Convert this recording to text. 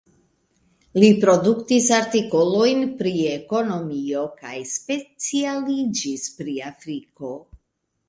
Li produktis artikolojn pri ekonomio kaj specialiĝis pri Afriko.